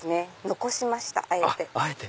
残しましたあえて。